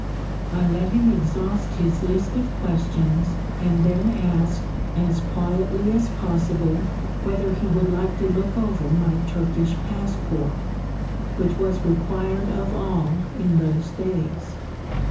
I let him exhaust his list of questions and then asked, as quietly as possible, whether he would like to look over my Turkish passport, which was required of all in those days.